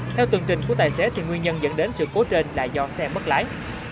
theo tương trình của tài xế thì nguyên nhân dẫn đến sự cố trên là do xe mất lái